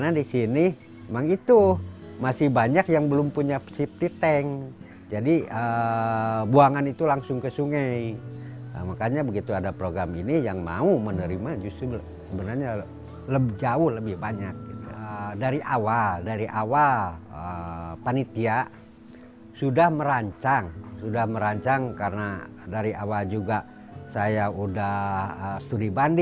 kalau waktu dulu sakit diare itu sakila merasa kayak apa